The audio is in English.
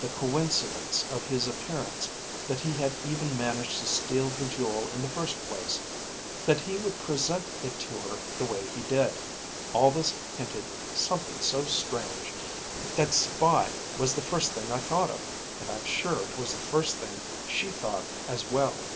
The coincidence of his appearance, that he had even managed to steal the jewel in the first place, that he would present it to her the way he did; all this hinted something so strange, that spy was the first thing I thought of, and I'm sure it was the first thing she thought as well.